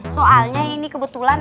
soalnya ini kebetulan